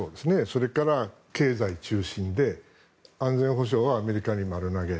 それから経済中心で安全保障はアメリカに丸投げ。